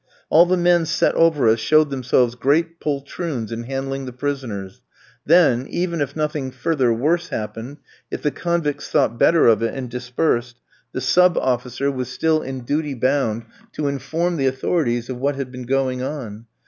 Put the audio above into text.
All the men set over us showed themselves great poltroons in handling the prisoners; then, even if nothing further worse happened, if the convicts thought better of it and dispersed, the sub officer was still in duty bound to inform the authorities of what had been going on.